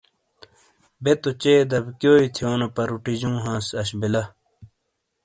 بے تو چے دبیکیوئی تھیونو پروٹیجوں ہانس اش بلہ۔